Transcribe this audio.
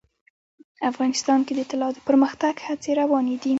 افغانستان کې د طلا د پرمختګ هڅې روانې دي.